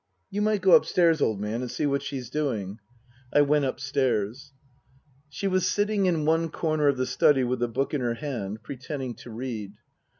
"You might go upstairs, old man, and see what she's doing." I went upstairs. She was sitting in one corner of the study with a book in her hand pretending to read.